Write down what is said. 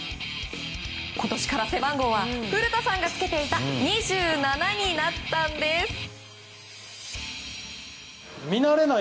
今年から背番号は古田さんがつけていた２７になったんです。